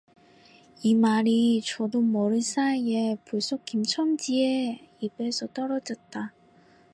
이 말이 저도 모를 사이에 불쑥 김첨지의 입에서 떨어졌다.